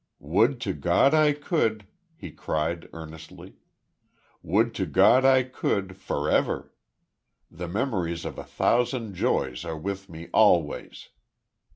"Would to God I could!" he cried, earnestly. "Would to God I could, forever! The memories of a thousand joys are with me always.